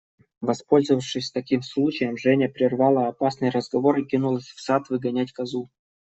Воспользовавшись таким случаем, Женя прервала опасный разговор и кинулась в сад выгонять козу.